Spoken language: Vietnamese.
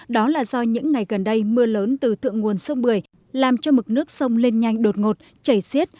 đó là do những ngày gần đây mưa lớn từ thượng nguồn sông bưởi làm cho mực nước sông lên nhanh đột ngột chảy xiết